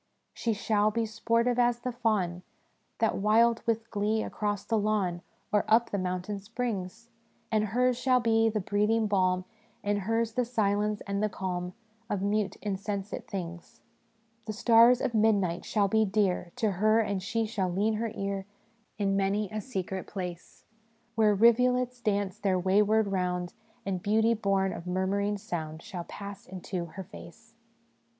"' She shall be sportive as the fawn, That wild with glee across the lawn Or up the mountain springs ; And hers shall be the breathing balm, And hers the silence and the calm Of mute, insensate things. "' The stars of midnight shall be dear To her ; and she shall lean her ear In many a secret place Where rivulets dance their wayward round, And beauty born of murmuring sound Shall pass into her face.'